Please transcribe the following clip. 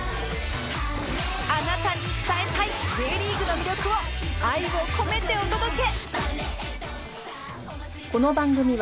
あなたに伝えたい Ｊ リーグの魅力を愛を込めてお届け！